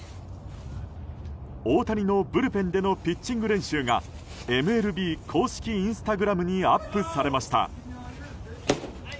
大谷のブルペンでのピッチング練習がＭＬＢ公式インスタグラムにアップされました。